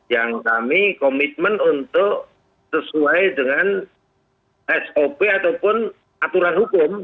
yang kami komitmen untuk sesuai dengan sop ataupun aturan hukum